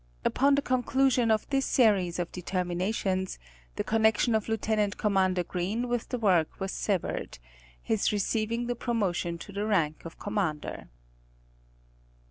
Upon the con clusion of this series of determinations, the connection of Lieut. Commander Green with the work was severed, he Sees his promotion to the rank of Commander.